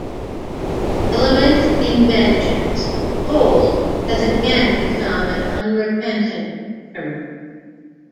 Element in vengeance, Cold has again become an unrepentant criminal.